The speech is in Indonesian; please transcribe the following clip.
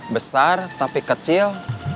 besar tapi kecil